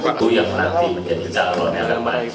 itu yang nanti menjadi calon yang lemah